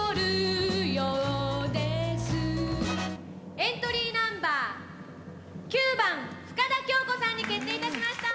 エントリーナンバー９番、深田恭子さんに決定いたしました！